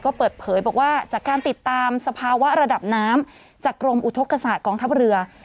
ก็เปิดเผยบอกว่าจากการติดตามสภาวะระดับน้ำจากกรมอุทธกษาตกองทัพเรือ